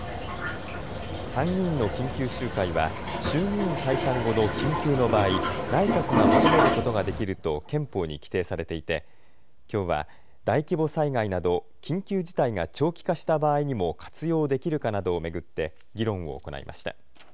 参議院の緊急集会は衆議院解散後の緊急の場合、内閣が求めることができると憲法に規定されていてきょうは大規模災害など緊急事態が長期化した場合にも活用できるかなどを巡って議論を行いました。